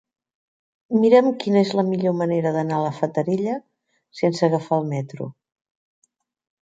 Mira'm quina és la millor manera d'anar a la Fatarella sense agafar el metro.